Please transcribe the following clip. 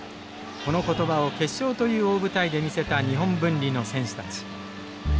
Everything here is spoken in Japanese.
この言葉を決勝という大舞台で見せた日本文理の選手たち。